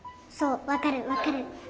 そうわかるわかる。